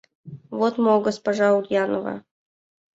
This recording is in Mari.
Вот мо, госпожа Ульянова.